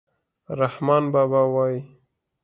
رحمان بابا وايي.